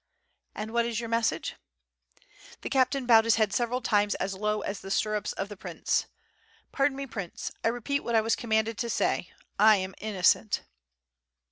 "And what is your message?" The captain bowed his head several times as low as the stirrups of the prince. "Pardon me. Prince, I repeat what I was commanded to say; I am innocent."